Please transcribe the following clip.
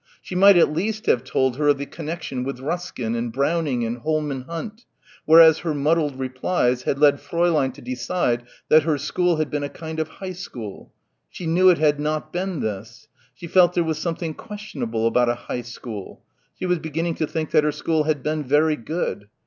She might at least have told her of the connection with Ruskin and Browning and Holman Hunt, whereas her muddled replies had led Fräulein to decide that her school had been "a kind of high school." She knew it had not been this. She felt there was something questionable about a high school. She was beginning to think that her school had been very good.